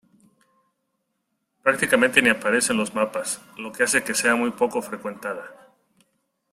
Prácticamente ni aparece en los mapas, lo que hace que sea muy poco frecuentada.